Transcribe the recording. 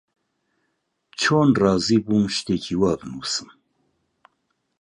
چۆن ڕازی بووم شتێکی وا بنووسم؟